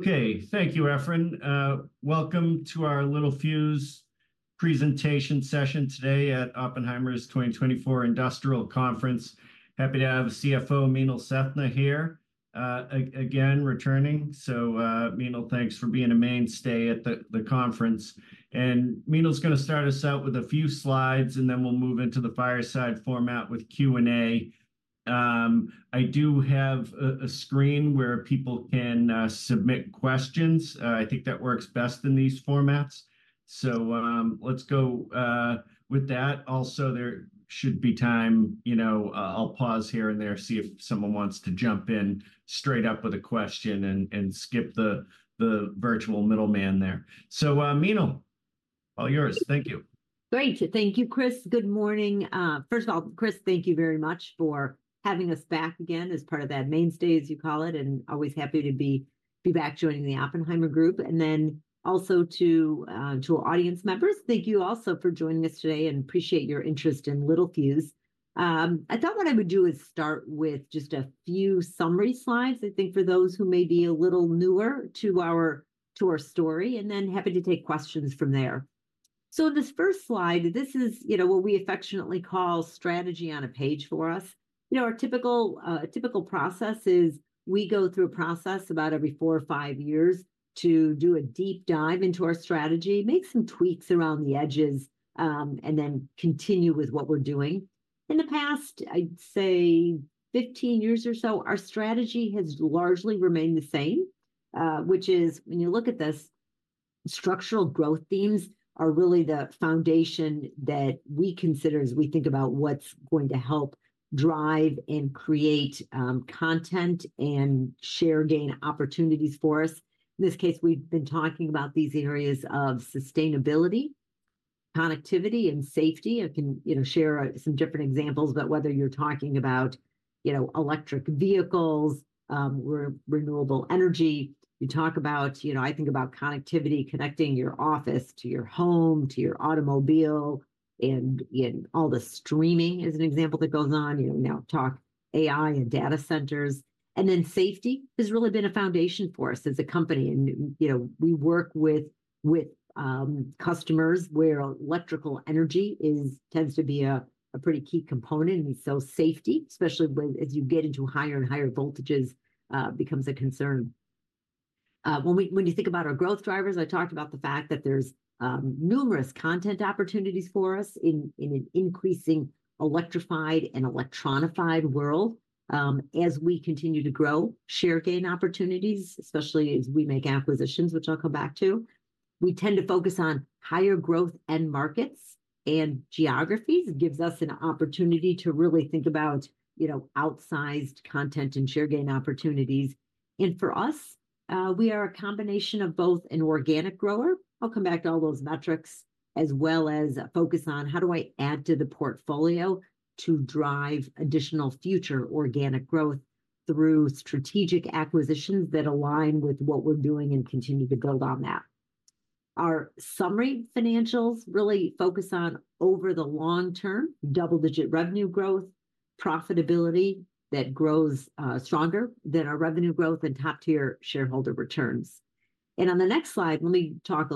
Okay, thank you, Efren. Welcome to our Littelfuse presentation session today at Oppenheimer's 2024 Industrial Conference. Happy to have CFO Meenal Sethna here, returning. So, Meenal, thanks for being a mainstay at the conference. And Meenal's going to start us out with a few slides, and then we'll move into the fireside format with Q&A. I do have a screen where people can submit questions. I think that works best in these formats. So, let's go with that. Also, there should be time, you know, I'll pause here and there, see if someone wants to jump in straight up with a question and skip the virtual middleman there. So, Meenal, all yours. Thank you. Great. Thank you, Chris. Good morning. First of all, Chris, thank you very much for having us back again as part of that mainstay, as you call it, and always happy to be back joining the Oppenheimer Group. And then also to our audience members, thank you also for joining us today, and appreciate your interest in Littelfuse. I thought what I would do is start with just a few summary slides, I think, for those who may be a little newer to our story, and then happy to take questions from there. So in this first slide, this is, you know, what we affectionately call strategy on a page for us. You know, our typical process is we go through a process about every four or five years to do a deep dive into our strategy, make some tweaks around the edges, and then continue with what we're doing. In the past, I'd say 15 years or so, our strategy has largely remained the same, which is, when you look at this, structural growth themes are really the foundation that we consider as we think about what's going to help drive and create content and share gain opportunities for us. In this case, we've been talking about these areas of sustainability, connectivity, and safety. I can, you know, share some different examples about whether you're talking about, you know, electric vehicles, renewable energy. You talk about, you know, I think about connectivity, connecting your office to your home, to your automobile, and, you know, all the streaming as an example that goes on. You know, we now talk AI and data centers. And then safety has really been a foundation for us as a company. And, you know, we work with customers where electrical energy tends to be a pretty key component. And so safety, especially with as you get into higher and higher voltages, becomes a concern. When you think about our growth drivers, I talked about the fact that there's numerous content opportunities for us in an increasing electrified and electronicized world. As we continue to grow, share gain opportunities, especially as we make acquisitions, which I'll come back to, we tend to focus on higher growth and markets and geographies. It gives us an opportunity to really think about, you know, outsized content and share gain opportunities. And for us, we are a combination of both an organic grower, I'll come back to all those metrics, as well as a focus on how do I add to the portfolio to drive additional future organic growth through strategic acquisitions that align with what we're doing and continue to build on that. Our summary financials really focus on, over the long term, double-digit revenue growth, profitability that grows stronger than our revenue growth, and top-tier shareholder returns. And on the next slide, let me talk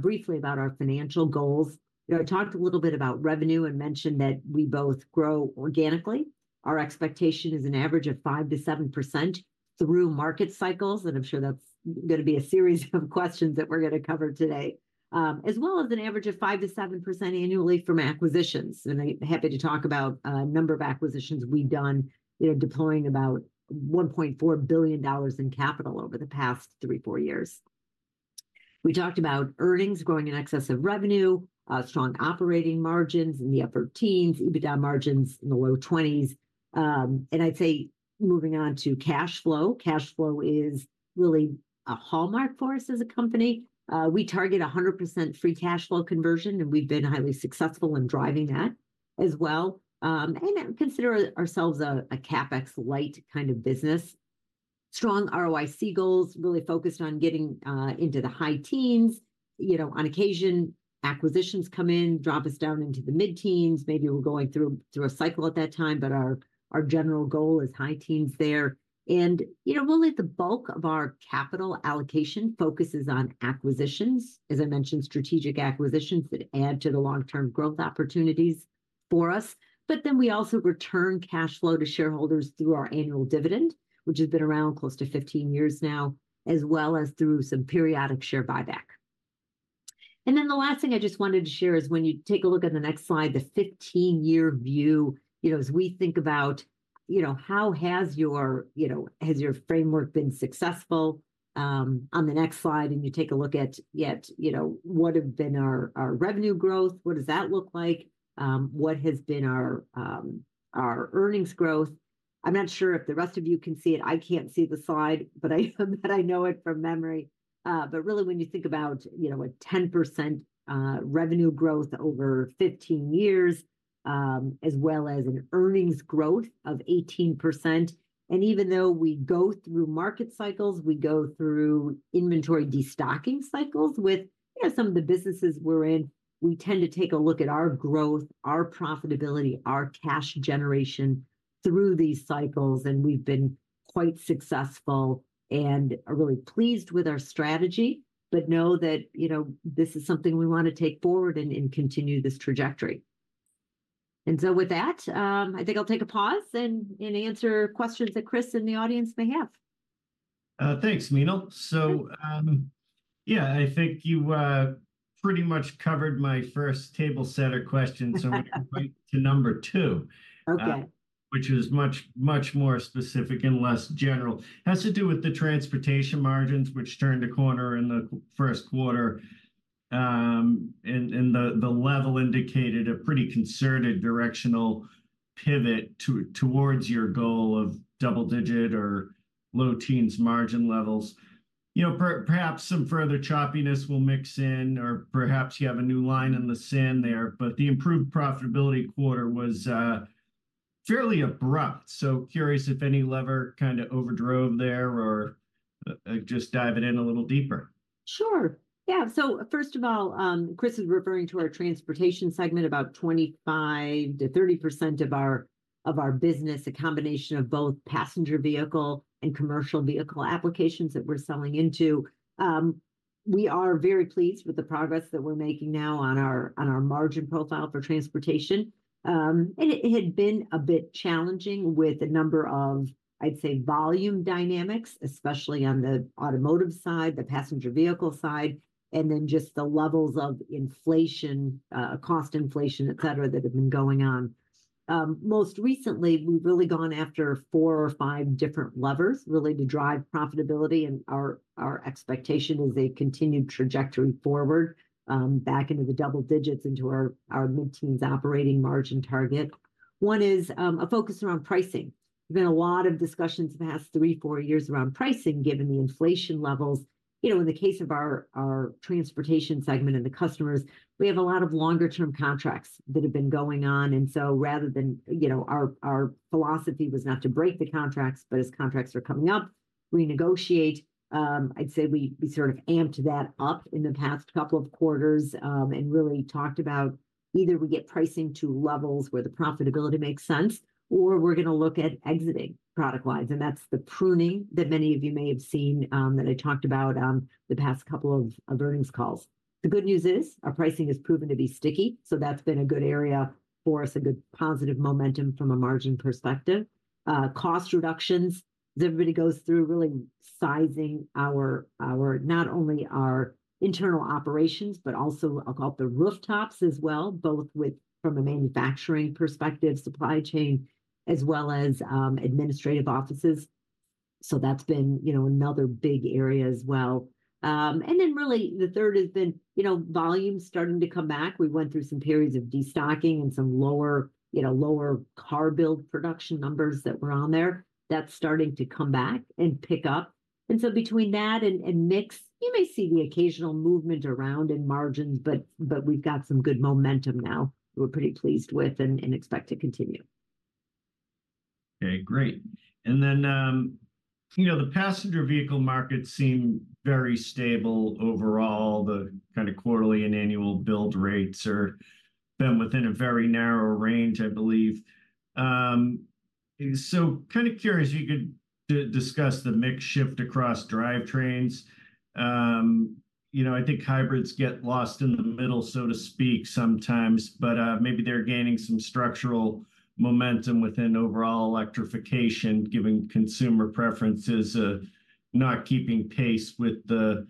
briefly about our financial goals. You know, I talked a little bit about revenue and mentioned that we both grow organically. Our expectation is an average of 5%-7% through market cycles. I'm sure that's going to be a series of questions that we're going to cover today, as well as an average of 5%-7% annually from acquisitions. I'm happy to talk about a number of acquisitions we've done, you know, deploying about $1.4 billion in capital over the past 3-4 years. We talked about earnings growing in excess of revenue, strong operating margins in the upper teens, EBITDA margins in the low 20s. And I'd say moving on to cash flow. Cash flow is really a hallmark for us as a company. We target 100% free cash flow conversion, and we've been highly successful in driving that as well. And consider ourselves a CapEx light kind of business. Strong ROIC goals, really focused on getting into the high teens. You know, on occasion, acquisitions come in, drop us down into the mid-teens. Maybe we're going through a cycle at that time, but our general goal is high teens there. And, you know, really the bulk of our capital allocation focuses on acquisitions, as I mentioned, strategic acquisitions that add to the long-term growth opportunities for us. But then we also return cash flow to shareholders through our annual dividend, which has been around close to 15 years now, as well as through some periodic share buyback. And then the last thing I just wanted to share is when you take a look at the next slide, the 15-year view, you know, as we think about, you know, how has your, you know, has your framework been successful? On the next slide, and you take a look at yet, you know, what have been our revenue growth? What does that look like? What has been our earnings growth? I'm not sure if the rest of you can see it. I can't see the slide, but I bet I know it from memory. But really, when you think about, you know, a 10% revenue growth over 15 years, as well as an earnings growth of 18%. And even though we go through market cycles, we go through inventory destocking cycles with, you know, some of the businesses we're in, we tend to take a look at our growth, our profitability, our cash generation through these cycles. And we've been quite successful and are really pleased with our strategy, but know that, you know, this is something we want to take forward and continue this trajectory. And so with that, I think I'll take a pause and answer questions that Chris and the audience may have. Thanks, Meenal. So, yeah, I think you pretty much covered my first table set of questions. So we can move to number 2, okay, which is much, much more specific and less general. Has to do with the transportation margins, which turned a corner in the first quarter, and the level indicated a pretty concerted directional pivot towards your goal of double-digit or low teens margin levels. You know, perhaps some further choppiness will mix in, or perhaps you have a new line in the sand there. But the improved profitability quarter was fairly abrupt. So curious if any lever kind of overdrove there or just dive it in a little deeper. Sure. Yeah. So first of all, Chris is referring to our transportation segment, about 25%-30% of our business, a combination of both passenger vehicle and commercial vehicle applications that we're selling into. We are very pleased with the progress that we're making now on our margin profile for transportation. It had been a bit challenging with a number of, I'd say, volume dynamics, especially on the automotive side, the passenger vehicle side, and then just the levels of inflation, cost inflation, etc., that have been going on. Most recently, we've really gone after four or five different levers really to drive profitability. Our expectation is a continued trajectory forward, back into the double digits, into our mid-teens operating margin target. One is, a focus around pricing. We've had a lot of discussions the past 3-4 years around pricing, given the inflation levels. You know, in the case of our transportation segment and the customers, we have a lot of longer-term contracts that have been going on. And so rather than, you know, our philosophy was not to break the contracts, but as contracts are coming up, renegotiate. I'd say we sort of amped that up in the past couple of quarters, and really talked about either we get pricing to levels where the profitability makes sense, or we're going to look at exiting product lines. And that's the pruning that many of you may have seen, that I talked about, the past couple of earnings calls. The good news is our pricing has proven to be sticky. So that's been a good area for us, a good positive momentum from a margin perspective. Cost reductions, as everybody goes through, really sizing our not only our internal operations, but also I'll call it the rooftops as well, both from a manufacturing perspective, supply chain, as well as administrative offices. So that's been, you know, another big area as well. And then really the third has been, you know, volume starting to come back. We went through some periods of destocking and some lower, you know, car build production numbers that were on there. That's starting to come back and pick up. And so between that and mix, you may see the occasional movement around in margins, but we've got some good momentum now that we're pretty pleased with and expect to continue. Okay, great. And then, you know, the passenger vehicle market seemed very stable overall. The kind of quarterly and annual build rates are been within a very narrow range, I believe. So kind of curious if you could discuss the mix shift across drivetrains. You know, I think hybrids get lost in the middle, so to speak, sometimes, but maybe they're gaining some structural momentum within overall electrification, given consumer preferences not keeping pace with the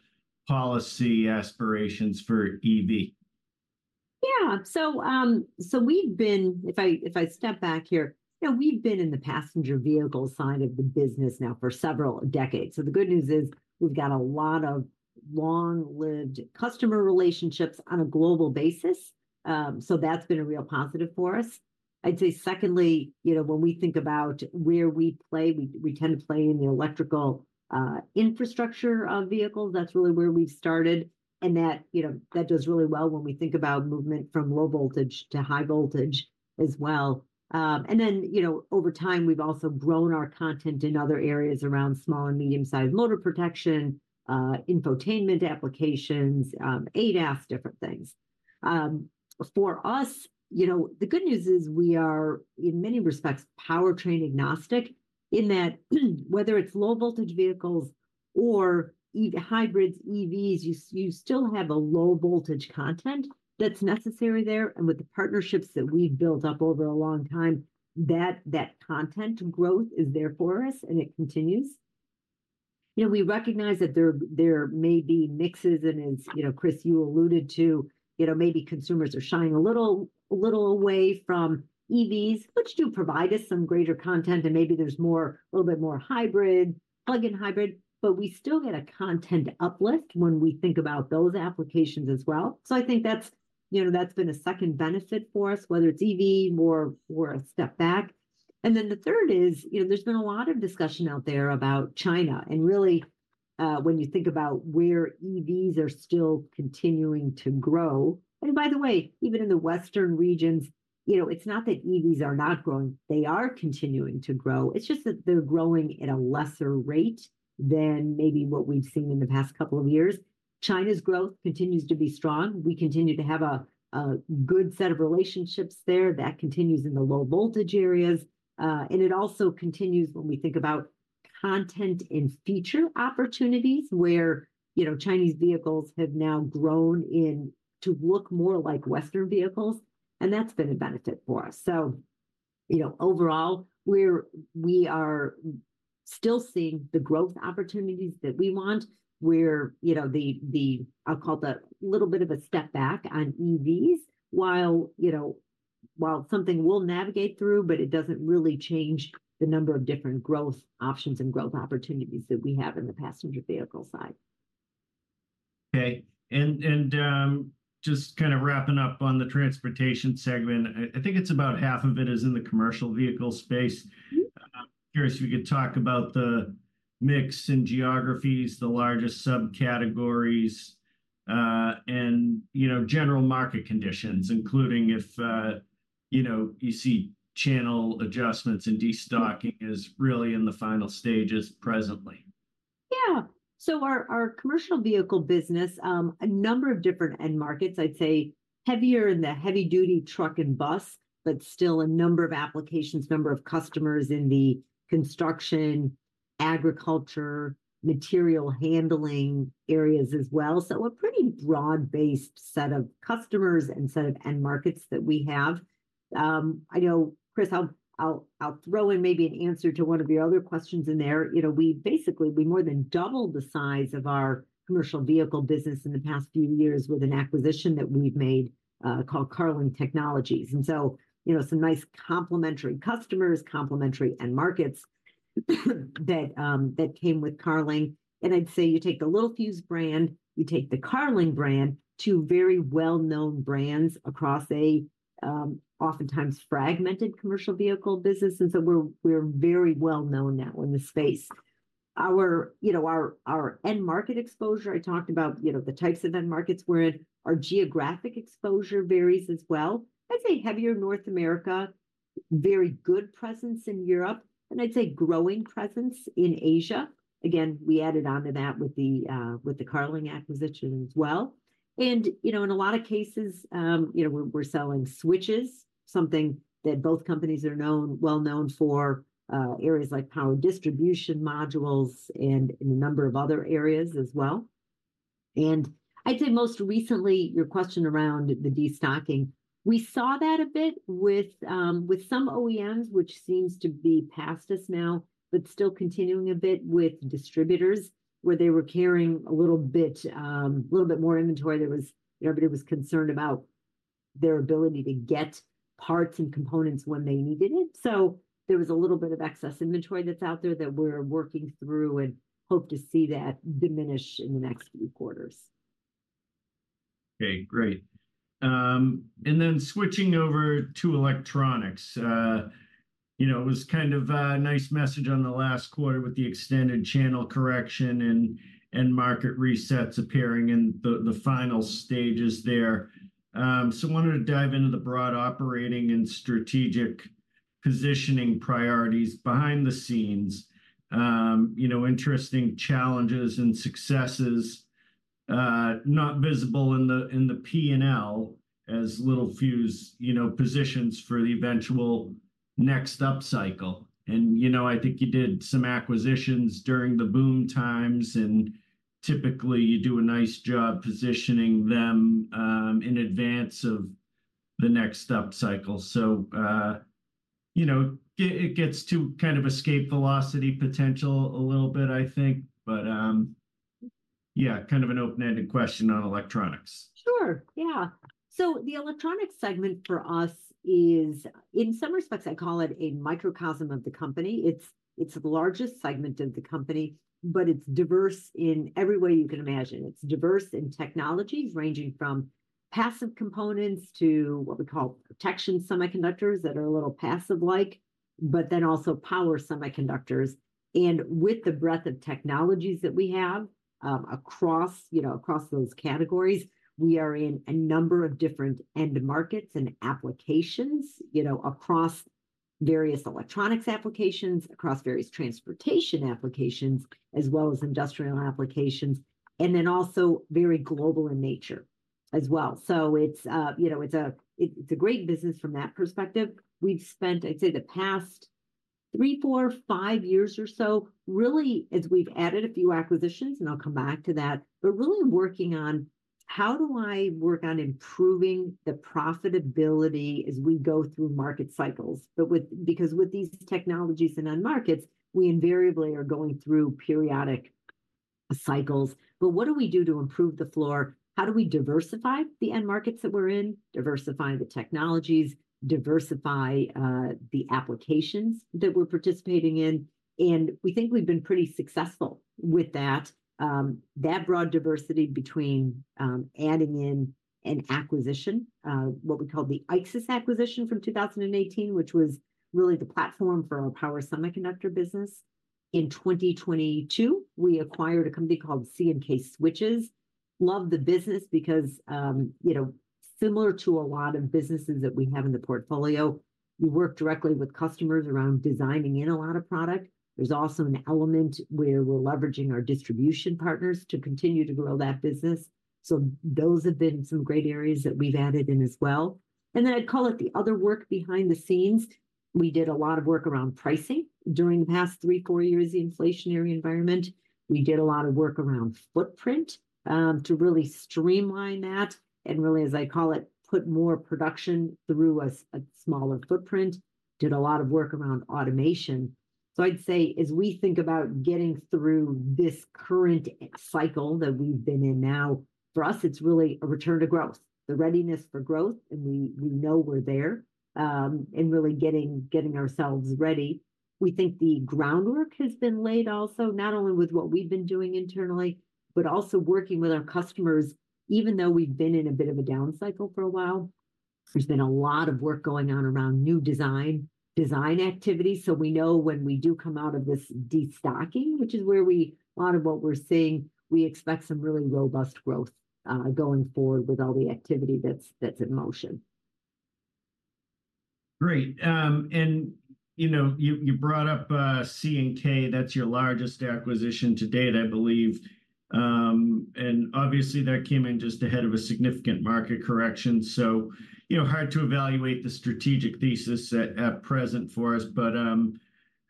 policy aspirations for EV. Yeah. So, if I step back here, you know, we've been in the passenger vehicle side of the business now for several decades. So the good news is we've got a lot of long-lived customer relationships on a global basis. So that's been a real positive for us. I'd say secondly, you know, when we think about where we play, we tend to play in the electrical infrastructure of vehicles. That's really where we've started. And that, you know, that does really well when we think about movement from low voltage to high voltage as well. And then, you know, over time, we've also grown our content in other areas around small and medium-sized motor protection, infotainment applications, ADAS, different things. For us, you know, the good news is we are, in many respects, powertrain agnostic in that whether it's low voltage vehicles or even hybrids, EVs, you still have a low voltage content that's necessary there. And with the partnerships that we've built up over a long time, that content growth is there for us, and it continues. You know, we recognize that there may be mixes. And as, you know, Chris, you alluded to, you know, maybe consumers are shying a little away from EVs, which do provide us some greater content. And maybe there's a little bit more hybrid, plug-in hybrid, but we still get a content uplift when we think about those applications as well. So I think that's, you know, that's been a second benefit for us, whether it's EV or we're a step back. And then the third is, you know, there's been a lot of discussion out there about China. And really, when you think about where EVs are still continuing to grow, and by the way, even in the Western regions, you know, it's not that EVs are not growing. They are continuing to grow. It's just that they're growing at a lesser rate than maybe what we've seen in the past couple of years. China's growth continues to be strong. We continue to have a good set of relationships there that continues in the low voltage areas. And it also continues when we think about content and feature opportunities where, you know, Chinese vehicles have now grown into to look more like Western vehicles. And that's been a benefit for us. So, you know, overall, we are still seeing the growth opportunities that we want. We're, you know, I'll call it a little bit of a step back on EVs while, you know, while something will navigate through, but it doesn't really change the number of different growth options and growth opportunities that we have in the passenger vehicle side. Okay. Just kind of wrapping up on the transportation segment, I think it's about half of it is in the commercial vehicle space. Curious if you could talk about the mix and geographies, the largest subcategories, and, you know, general market conditions, including if, you know, you see channel adjustments and destocking is really in the final stages presently. Yeah. So our commercial vehicle business, a number of different end markets, I'd say heavier in the heavy-duty truck and bus, but still a number of applications, number of customers in the construction, agriculture, material handling areas as well. So a pretty broad-based set of customers and set of end markets that we have. I know, Chris, I'll throw in maybe an answer to one of your other questions in there. You know, we basically we more than doubled the size of our commercial vehicle business in the past few years with an acquisition that we've made, called Carling Technologies. And so, you know, some nice complementary customers, complementary end markets that came with Carling. And I'd say you take the Littelfuse brand, you take the Carling brand to very well-known brands across a, oftentimes fragmented commercial vehicle business. So we're very well-known now in the space. Our, you know, our end market exposure, I talked about, you know, the types of end markets we're in. Our geographic exposure varies as well. I'd say heavier North America, very good presence in Europe, and I'd say growing presence in Asia. Again, we added on to that with the Carling acquisition as well. And, you know, in a lot of cases, you know, we're selling switches, something that both companies are well-known for, areas like power distribution modules and in a number of other areas as well. And I'd say most recently, your question around the destocking, we saw that a bit with some OEMs, which seems to be past us now, but still continuing a bit with distributors where they were carrying a little bit more inventory. There was, you know, everybody was concerned about their ability to get parts and components when they needed it. So there was a little bit of excess inventory that's out there that we're working through and hope to see that diminish in the next few quarters. Okay, great. And then switching over to electronics, you know, it was kind of a nice message on the last quarter with the extended channel correction and market resets appearing in the final stages there. So, I wanted to dive into the broad operating and strategic positioning priorities behind the scenes. You know, interesting challenges and successes, not visible in the P&L as Littelfuse, you know, positions for the eventual next up cycle. And, you know, I think you did some acquisitions during the boom times, and typically you do a nice job positioning them, in advance of the next up cycle. So, you know, it gets to kind of escape velocity potential a little bit, I think. But, yeah, kind of an open-ended question on electronics. Sure. Yeah. So the electronics segment for us is, in some respects, I call it a microcosm of the company. It's the largest segment of the company, but it's diverse in every way you can imagine. It's diverse in technologies ranging from passive components to what we call protection semiconductors that are a little passive-like, but then also power semiconductors. And with the breadth of technologies that we have, across, you know, across those categories, we are in a number of different end markets and applications, you know, across various electronics applications, across various transportation applications, as well as industrial applications, and then also very global in nature as well. So it's, you know, it's a great business from that perspective. We've spent, I'd say, the past 3, 4, 5 years or so, really, as we've added a few acquisitions, and I'll come back to that, but really working on how do I work on improving the profitability as we go through market cycles. But with because with these technologies and end markets, we invariably are going through periodic cycles. But what do we do to improve the floor? How do we diversify the end markets that we're in, diversify the technologies, diversify, the applications that we're participating in? And we think we've been pretty successful with that, that broad diversity between, adding in an acquisition, what we call the IXYS acquisition from 2018, which was really the platform for our power semiconductor business. In 2022, we acquired a company called C&K Switches. Love the business because, you know, similar to a lot of businesses that we have in the portfolio, we work directly with customers around designing in a lot of product. There's also an element where we're leveraging our distribution partners to continue to grow that business. So those have been some great areas that we've added in as well. And then I'd call it the other work behind the scenes. We did a lot of work around pricing during the past 3-4 years, the inflationary environment. We did a lot of work around footprint, to really streamline that and really, as I call it, put more production through a smaller footprint. Did a lot of work around automation. So I'd say, as we think about getting through this current cycle that we've been in now, for us, it's really a return to growth, the readiness for growth. We know we're there, and really getting ourselves ready. We think the groundwork has been laid also, not only with what we've been doing internally, but also working with our customers, even though we've been in a bit of a down cycle for a while. There's been a lot of work going on around new design activities. So we know when we do come out of this destocking, which is where a lot of what we're seeing, we expect some really robust growth, going forward with all the activity that's in motion. Great. You know, you brought up, C&K. That's your largest acquisition to date, I believe. Obviously that came in just ahead of a significant market correction. So, you know, hard to evaluate the strategic thesis at present for us, but,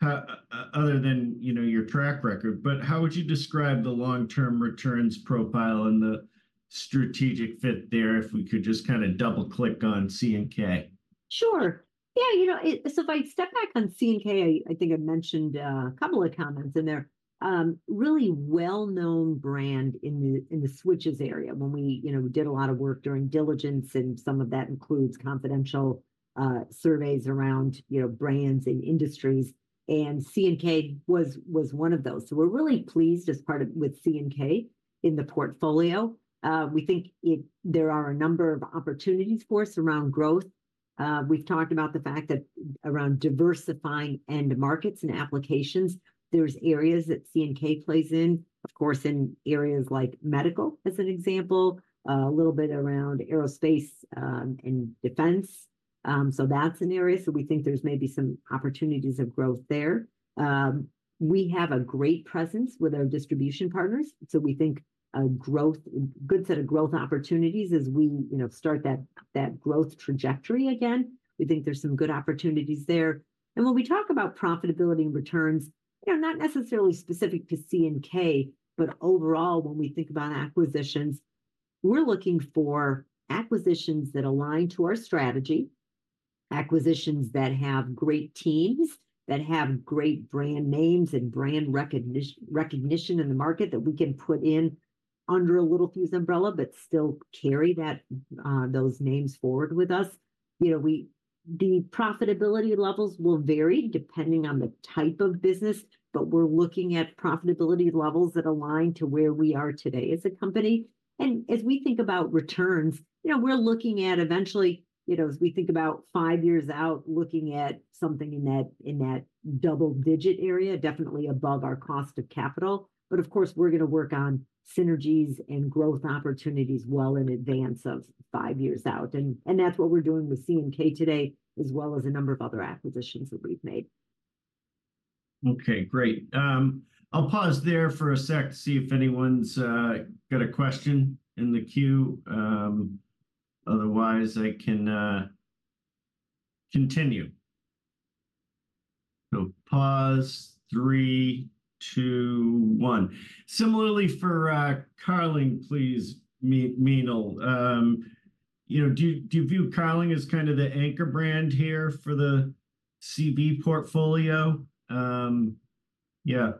how other than, you know, your track record, but how would you describe the long-term returns profile and the strategic fit there, if we could just kind of double-click on C&K? Sure. Yeah. You know, so if I step back on C&K, I think I mentioned a couple of comments in there. Really well-known brand in the switches area when we, you know, did a lot of work during diligence. And some of that includes confidential surveys around, you know, brands and industries. And C&K was one of those. So we're really pleased as part of with C&K in the portfolio. We think it there are a number of opportunities for us around growth. We've talked about the fact that around diversifying end markets and applications, there's areas that C&K plays in, of course, in areas like medical, as an example, a little bit around aerospace and defense. So that's an area. So we think there's maybe some opportunities of growth there. We have a great presence with our distribution partners. So we think a growth, a good set of growth opportunities as we, you know, start that growth trajectory again. We think there's some good opportunities there. And when we talk about profitability and returns, you know, not necessarily specific to C&K, but overall, when we think about acquisitions, we're looking for acquisitions that align to our strategy, acquisitions that have great teams, that have great brand names and brand recognition in the market that we can put in under the Littelfuse umbrella, but still carry that, those names forward with us. You know, the profitability levels will vary depending on the type of business, but we're looking at profitability levels that align to where we are today as a company. As we think about returns, you know, we're looking at eventually, you know, as we think about five years out, looking at something in that double-digit area, definitely above our cost of capital. But of course, we're going to work on synergies and growth opportunities well in advance of five years out. And that's what we're doing with C&K today, as well as a number of other acquisitions that we've made. Okay, great. I'll pause there for a sec to see if anyone's got a question in the queue. Otherwise I can continue. So pause 3, 2, 1. Similarly for Carling, please, Meenal, you know, do you view Carling as kind of the anchor brand here for the CV portfolio? Yeah.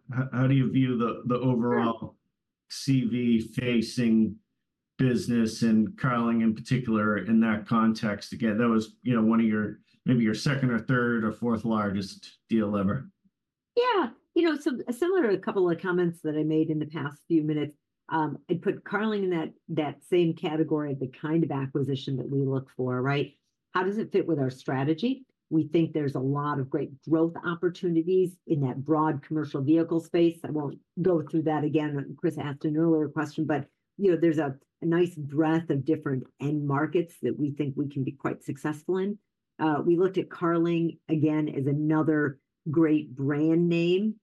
How do you view the overall CV-facing business and Carling in particular in that context? Again, that was, you know, one of your maybe your second or third or fourth largest deal ever. Yeah. You know, so similar to a couple of comments that I made in the past few minutes, I'd put Carling in that that same category, the kind of acquisition that we look for. Right. How does it fit with our strategy? We think there's a lot of great growth opportunities in that broad commercial vehicle space. I won't go through that again. Chris asked an earlier question, but, you know, there's a a nice breadth of different end markets that we think we can be quite successful in. We looked at Carling again as another great brand name,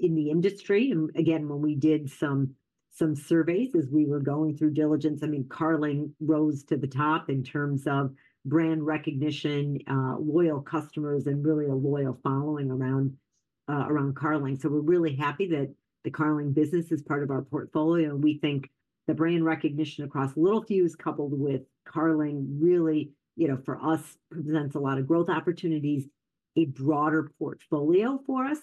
in the industry. And again, when we did some some surveys as we were going through diligence, I mean, Carling rose to the top in terms of brand recognition, loyal customers, and really a loyal following around, around Carling. So we're really happy that the Carling business is part of our portfolio. And we think the brand recognition across Littelfuse coupled with Carling really, you know, for us, presents a lot of growth opportunities, a broader portfolio for us,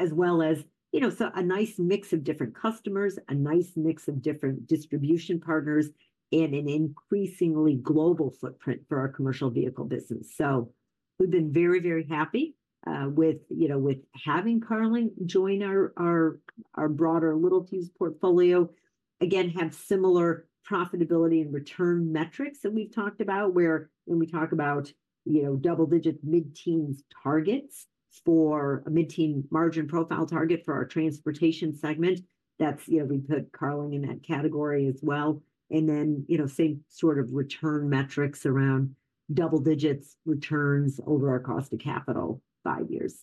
as well as, you know, so a nice mix of different customers, a nice mix of different distribution partners, and an increasingly global footprint for our commercial vehicle business. So we've been very, very happy, with, you know, with having Carling join our broader Littelfuse portfolio. Again, have similar profitability and return metrics that we've talked about where when we talk about, you know, double-digit mid-teens targets for a mid-teen margin profile target for our transportation segment, that's, you know, we put Carling in that category as well. And then, you know, same sort of return metrics around double-digit returns over our cost of capital five years.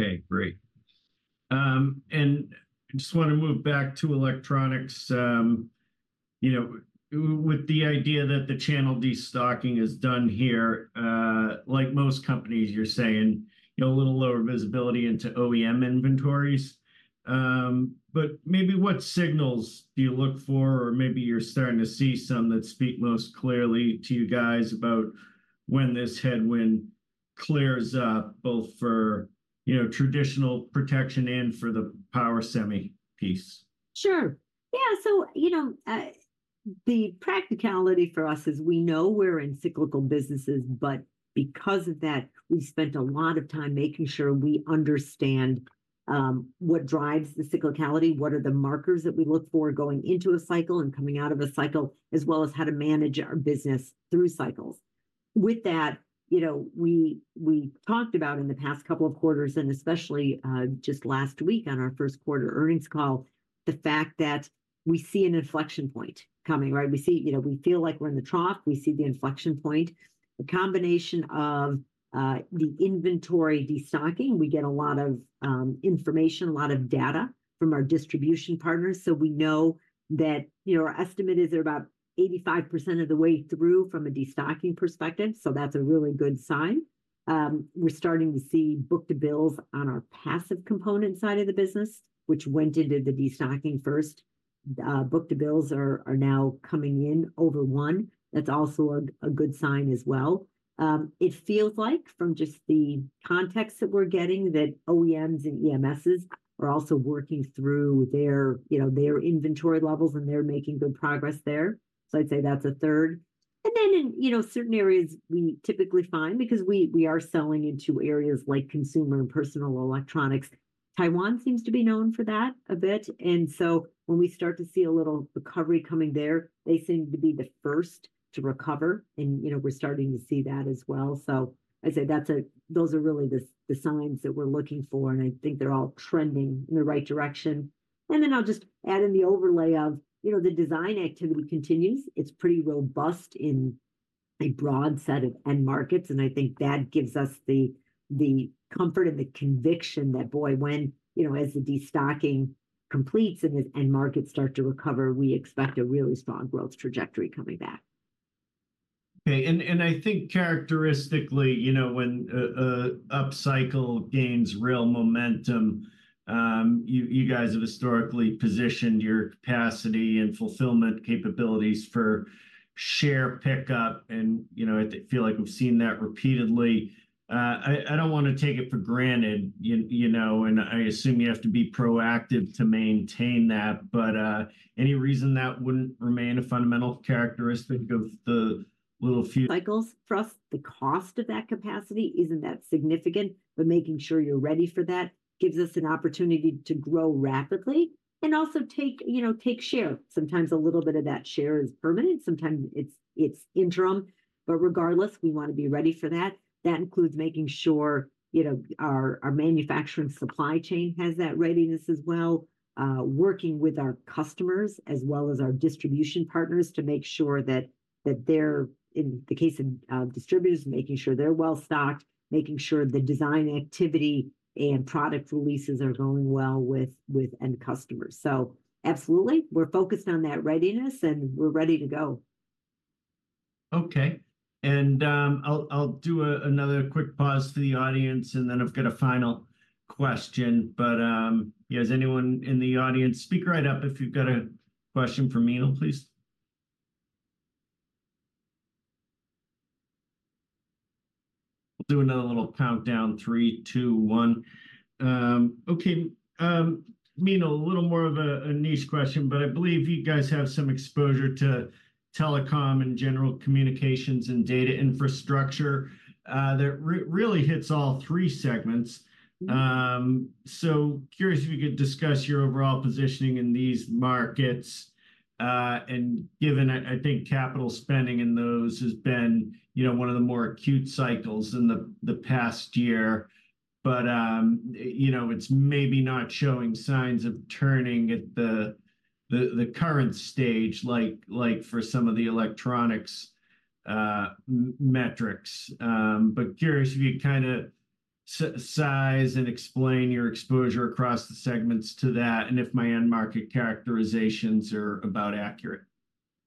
Okay, great. I just want to move back to electronics. You know, with the idea that the channel destocking is done here, like most companies, you're saying, you know, a little lower visibility into OEM inventories. Maybe what signals do you look for? Or maybe you're starting to see some that speak most clearly to you guys about when this headwind clears up, both for, you know, traditional protection and for the power semi piece. Sure. Yeah. So, you know, the practicality for us is we know we're in cyclical businesses, but because of that, we spent a lot of time making sure we understand what drives the cyclicality, what are the markers that we look for going into a cycle and coming out of a cycle, as well as how to manage our business through cycles. With that, you know, we talked about in the past couple of quarters, and especially just last week on our first quarter earnings call, the fact that we see an inflection point coming. Right. We see, you know, we feel like we're in the trough. We see the inflection point, a combination of the inventory destocking. We get a lot of information, a lot of data from our distribution partners. So we know that, you know, our estimate is there about 85% of the way through from a destocking perspective. So that's a really good sign. We're starting to see book-to-bill on our passive component side of the business, which went into the destocking first. Book-to-bill ratios are now coming in over one. That's also a good sign as well. It feels like from just the context that we're getting, that OEMs and EMSs are also working through their, you know, their inventory levels, and they're making good progress there. So I'd say that's a third. And then in, you know, certain areas we typically find because we are selling into areas like consumer and personal electronics. Taiwan seems to be known for that a bit. And so when we start to see a little recovery coming there, they seem to be the first to recover. You know, we're starting to see that as well. So I'd say those are really the signs that we're looking for. I think they're all trending in the right direction. Then I'll just add in the overlay of, you know, the design activity continues. It's pretty robust in a broad set of end markets. I think that gives us the comfort and the conviction that, boy, when, you know, as the destocking completes and the end markets start to recover, we expect a really strong growth trajectory coming back. Okay. And I think characteristically, you know, when upcycle gains real momentum, you guys have historically positioned your capacity and fulfillment capabilities for share pickup. And, you know, I feel like we've seen that repeatedly. I don't want to take it for granted, you know, and I assume you have to be proactive to maintain that. But, any reason that wouldn't remain a fundamental characteristic of the Littelfuse cycles for us? The cost of that capacity isn't that significant, but making sure you're ready for that gives us an opportunity to grow rapidly and also take, you know, take share. Sometimes a little bit of that share is permanent. Sometimes it's interim. But regardless, we want to be ready for that. That includes making sure, you know, our manufacturing supply chain has that readiness as well, working with our customers as well as our distribution partners to make sure that they're in the case of distributors, making sure they're well stocked, making sure the design activity and product releases are going well with end customers. So absolutely, we're focused on that readiness and we're ready to go. Okay. And, I'll do another quick pause for the audience, and then I've got a final question. But, yeah, is anyone in the audience? Speak right up if you've got a question for Meenal, please. We'll do another little countdown. 3, 2, 1. Okay. Meenal, a little more of a niche question, but I believe you guys have some exposure to telecom and general communications and data infrastructure, that really hits all three segments. So curious if you could discuss your overall positioning in these markets, and given I think capital spending in those has been, you know, one of the more acute cycles in the past year. But, you know, it's maybe not showing signs of turning at the current stage, like for some of the electronics metrics. Curious if you could kind of size and explain your exposure across the segments to that, and if my end market characterizations are about accurate?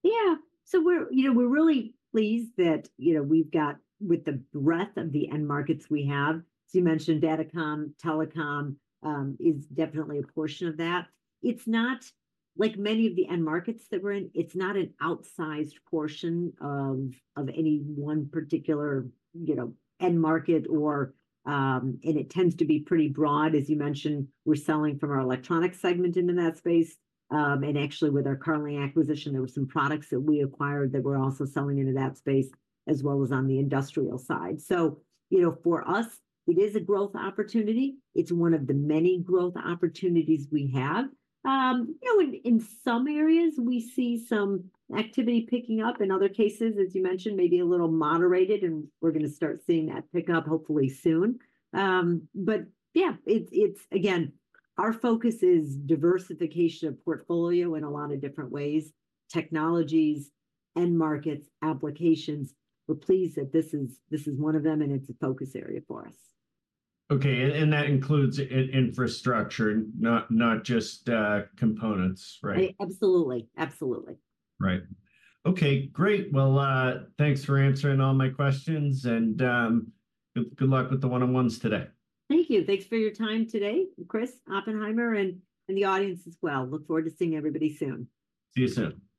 Yeah. So we're, you know, we're really pleased that, you know, we've got with the breadth of the end markets we have. So you mentioned datacom, telecom, is definitely a portion of that. It's not like many of the end markets that we're in. It's not an outsized portion of any one particular, you know, end market or and it tends to be pretty broad. As you mentioned, we're selling from our electronics segment into that space, and actually with our Carling acquisition, there were some products that we acquired that we're also selling into that space as well as on the industrial side. So, you know, for us, it is a growth opportunity. It's one of the many growth opportunities we have. You know, in some areas we see some activity picking up. In other cases, as you mentioned, maybe a little moderated, and we're going to start seeing that pick up hopefully soon. But yeah, it's again, our focus is diversification of portfolio in a lot of different ways, technologies, end markets, applications. We're pleased that this is one of them, and it's a focus area for us. Okay. And that includes infrastructure, not just components. Right. Absolutely. Absolutely. Right. Okay, great. Well, thanks for answering all my questions and good luck with the one-on-ones today. Thank you. Thanks for your time today, Chris, Oppenheimer, and the audience as well. Look forward to seeing everybody soon. See you soon.